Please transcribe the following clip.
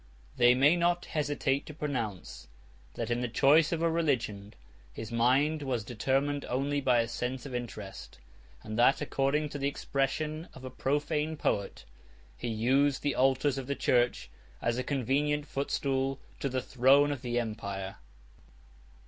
They may not hesitate to pronounce, that in the choice of a religion, his mind was determined only by a sense of interest; and that (according to the expression of a profane poet) 54 he used the altars of the church as a convenient footstool to the throne of the empire.